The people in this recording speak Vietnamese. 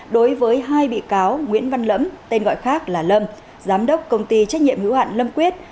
đối với hai bị cáo nguyễn văn lẫm tên gọi khác là lâm giám đốc công ty trách nhiệm hữu hạn lâm quyết